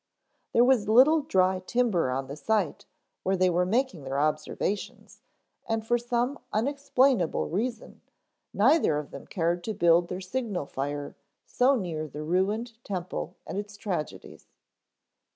There was little dry timber on the site where they were making their observations and for some unexplainable reason neither of them cared to build their signal fire so near the ruined temple and its tragedies.